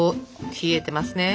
冷えてますね。